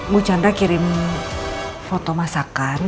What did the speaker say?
bu chandra kirim foto masakan